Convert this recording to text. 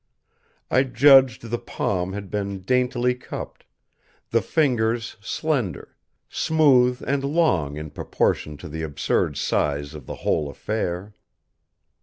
I judged the palm had been daintily cupped, the fingers slender, smooth and long in proportion to the absurd size of the whole affair.